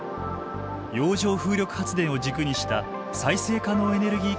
洋上風力発電を軸にした再生可能エネルギー